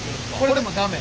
これも駄目？